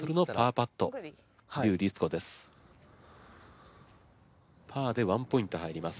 パーで１ポイント入ります。